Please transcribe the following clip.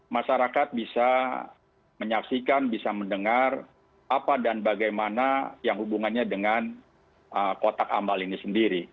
masyarakat bisa menyaksikan bisa mendengar apa dan bagaimana yang hubungannya dengan kotak ambal ini sendiri